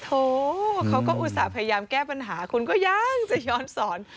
โถเขาก็อุตส่าห์พยายามแก้ปัญหาคุณก็ยังจะย้อนสอน